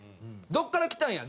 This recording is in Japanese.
「どっから来たんや？」